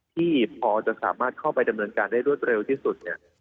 ที่พอจะสามารถเข้าไปดำเนินการได้รวดเร็วที่สุดเนี่ย